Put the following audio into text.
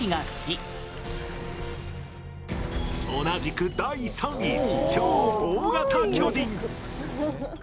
同じく第３位。